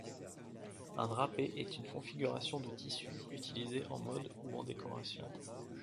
Un drapé est une configuration de tissu utilisé en mode ou en décoration.